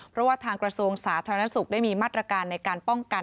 เพราะว่าทางกระทรวงสาธารณสุขได้มีมาตรการในการป้องกัน